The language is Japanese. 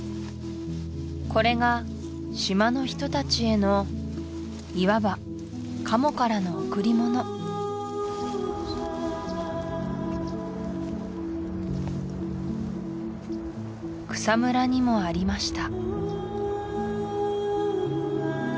これが島の人達へのいわばカモからの贈り物草むらにもありました